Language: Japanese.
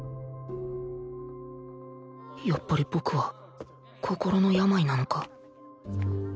やっぱり僕は心の病なのか？